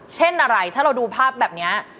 เช่นอะไรถ้าเราดูภาพแบบนี้